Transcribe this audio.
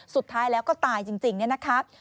สุดท้ายแล้วก็ตายจริงเนี่ยนะคะ